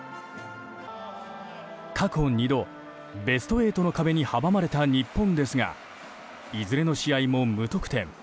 過去２度、ベスト８の壁に阻まれた日本ですがいずれの試合も無得点。